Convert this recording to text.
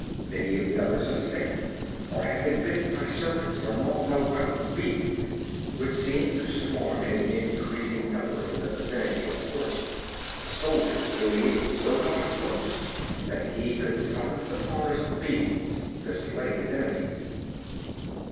Many of the others are sick, or have been bitten by serpents or mauled by wild beasts which seem to swarm in increasing numbers in the vicinity of the fort. The soldiers believe Zogar's boast that he could summon the forest beasts to slay his enemies.